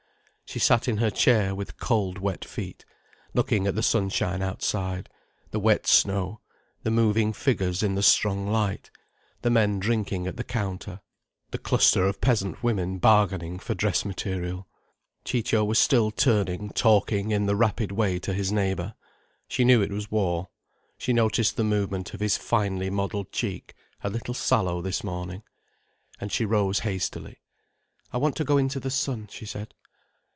She sat in her chair, with cold wet feet, looking at the sunshine outside, the wet snow, the moving figures in the strong light, the men drinking at the counter, the cluster of peasant women bargaining for dress material. Ciccio was still turning talking in the rapid way to his neighbour. She knew it was war. She noticed the movement of his finely modelled cheek, a little sallow this morning. And she rose hastily. "I want to go into the sun," she said.